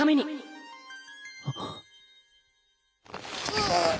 うっ！